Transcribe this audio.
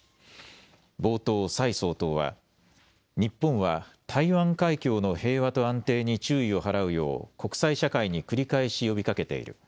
冒頭、蔡総統は日本は台湾海峡の平和と安定に注意を払うよう国際社会に繰り返し呼びかけている。